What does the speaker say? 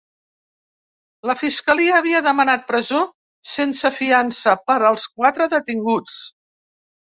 La fiscalia havia demanat presó sense fiança per als quatre detinguts.